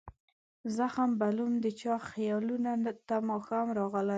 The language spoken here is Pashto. زخم بلوم د چا خیالونو ته ماښام راغلي